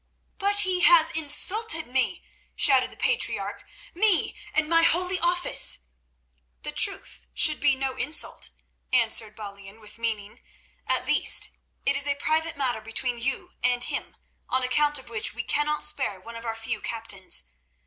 "But he has insulted me," shouted the patriarch, "me and my holy office." "The truth should be no insult," answered Balian with meaning. "At least, it is a private matter between you and him on account of which we cannot spare one of our few captains.